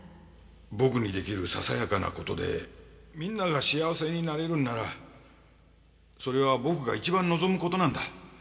僕にできるささやかな事でみんなが幸せになれるんならそれは僕が一番望む事なんだ。